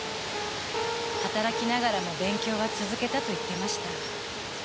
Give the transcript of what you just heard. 働きながらも勉強は続けたと言ってました。